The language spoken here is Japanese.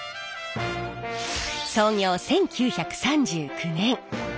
創業１９３９年。